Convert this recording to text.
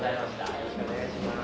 よろしくお願いします。